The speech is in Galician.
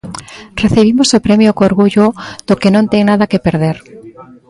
Recibimos o premio co orgullo do que non ten nada que perder.